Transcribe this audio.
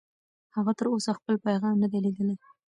هغه تر اوسه خپل پیغام نه دی لېږلی.